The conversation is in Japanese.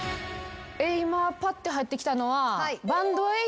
今パッて入ってきたのは。